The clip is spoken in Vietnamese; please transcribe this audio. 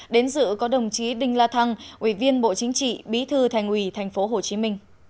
đến dự có đồng chí đinh la thăng ủy viên bộ chính trị bí thư thành ủy tp hcm